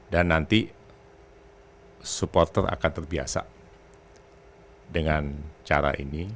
dan nanti supporter akan terbiasa dengan cara ini